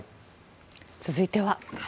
続いては。